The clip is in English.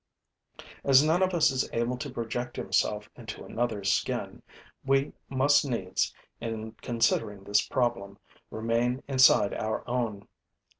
As none of us is able to project himself into another's skin, we must needs, in considering this problem, remain inside our own.